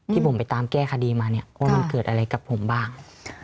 ที่ผมไปตามแก้คดีมาเนี่ยว่ามันเกิดอะไรกับผมบ้าง